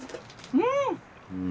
うん。